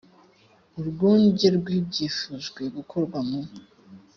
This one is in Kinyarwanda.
urwunge rw ibyifujwe gukorwa mu